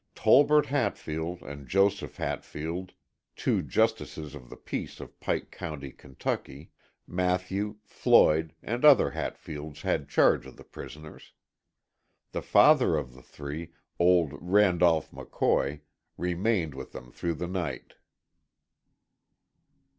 Tolbert Hatfield and Joseph Hatfield, two justices of the peace of Pike County, Kentucky, Mathew, Floyd and other Hatfields had charge of the prisoners. The father of the three, old Randolph McCoy, remained with them through the night.